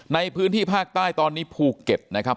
ในพื้นที่ภาคใต้ตอนนี้ภูเก็ตนะครับ